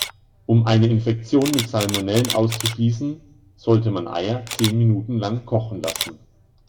Um eine Infektion mit Salmonellen auszuschließen, sollte man Eier zehn Minuten lang kochen lassen.